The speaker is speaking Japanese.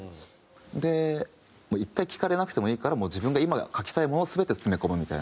で１回聴かれなくてもいいから自分が今書きたいものを全て詰め込むみたいな。